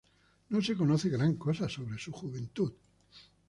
No se conoce gran cosa sobre su juventud.